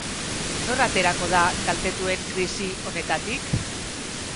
Nor aterako da kaltetuen krisi honetatik?